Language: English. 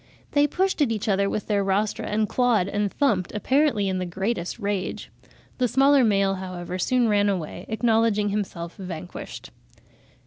They pushed at each other with their rostra, and clawed and thumped, apparently in the greatest rage." The smaller male, however, "soon ran away, acknowledging himself vanquished."